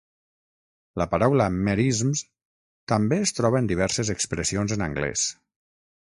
La paraula "merisms" també es troba en diverses expressions en anglès.